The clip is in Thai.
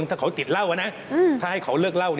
ถ้าเขาติดเหล้านะถ้าให้เขาเลิกเล่า